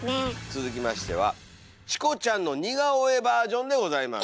続きましてはチコちゃんの似顔絵バージョンでございます。